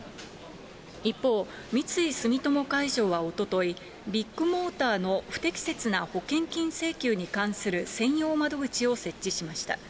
一方、三井住友海上はおととい、ビッグモーターの不適切な保険金請求に関する専用窓口を設置しました。